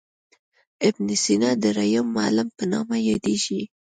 ابن سینا درېم معلم په نامه یادیږي.